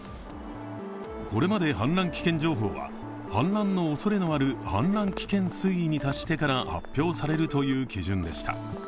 これまで氾濫危険情報は、氾濫のおそれのある氾濫危険水位に達してから発表されるという基準でした。